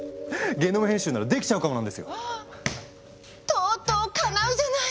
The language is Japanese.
とうとうかなうじゃない！